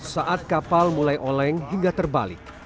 saat kapal mulai oleng hingga terbalik